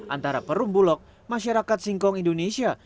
antara perumbulok masyarakat singkong indonesia